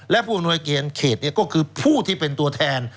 และผู้อำนวยเกียรเขตก็คือผู้ที่เป็นตัวแทน